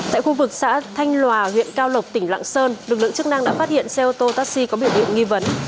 tại khu vực xã thanh lòa huyện cao lộc tỉnh lạng sơn lực lượng chức năng đã phát hiện xe ô tô taxi có biểu hiện nghi vấn